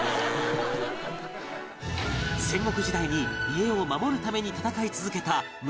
戦国時代に家を守るために戦い続けた胸